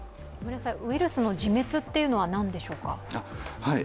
ウイルスの自滅というのは何でしょうか？